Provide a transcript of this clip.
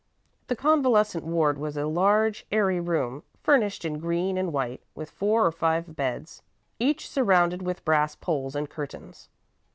The convalescent ward was a large, airy room, furnished in green and white, with four or five beds, each surrounded with brass poles and curtains.